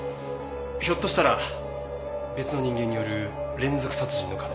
ひょっとしたら別の人間による連続殺人の可能性も。